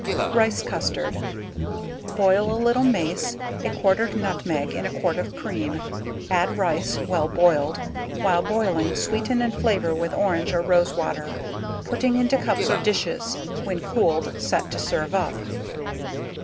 Rice Custard. Boil a little mace, a quartered nutmeg in a quart of cream, add rice (well boiled) while boiling sweeten and flavor with orange or rose water, putting into cups or dishes, when cooled, set to serve up.